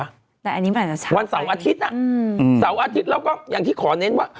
วันเสาร์อาทิตย์เนอะแถมวันเสาร์อาทิตย์แล้วก็อย่างที่ขอเน้นว่า